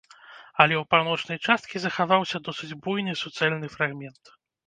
Але ў паўночнай часткі захаваўся досыць буйны суцэльны фрагмент.